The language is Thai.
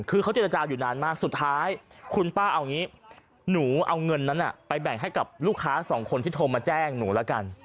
เดี๋ยวหนูจ่ายเงินไปก่อนเลยค่ะ